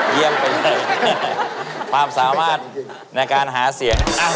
เยี่ยมเป็นความสามารถในการหาเสียง